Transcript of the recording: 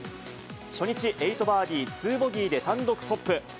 初日８バーディー２ボギーで単独トップ。